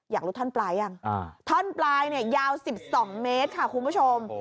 อยากรู้ท่อนปลายยังท่อนปลายเนี่ยยาว๑๒เมตรค่ะคุณผู้ชม